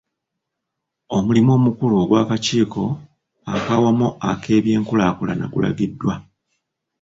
Omulimu omukulu ogw'akakiiko ak'awamu ak'ebyenkulaakulana gulagiddwa.